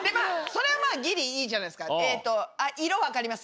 それはまぁギリいいじゃないですか。